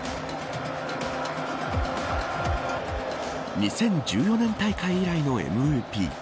２０１４年大会以来のＭＶＰ。